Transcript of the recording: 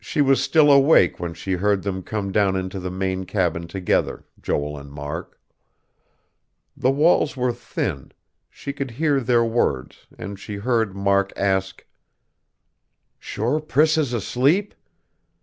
She was still awake when she heard them come down into the main cabin together, Joel and Mark. The walls were thin; she could hear their words, and she heard Mark ask: "Sure Priss is asleep?